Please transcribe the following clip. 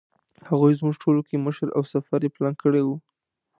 هغه زموږ ټولو کې مشر او سفر یې پلان کړی و.